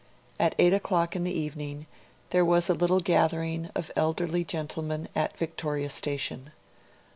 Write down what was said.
At eight o'clock in the evening, there was a little gathering of elderly gentlemen at Victoria Station.